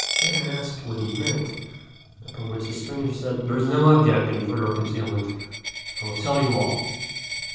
Ch'ên asked what he meant: upon which the stranger said, "There is no object in further concealment. I will tell you all.